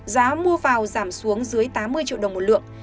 giá mua vào giảm xuống dưới tám mươi triệu đồng một lượng